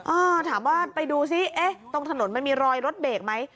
อ้าวถามว่าไปดูซิตรงถนนมันมีรอยรถเบรกไหม